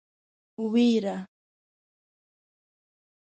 وېره.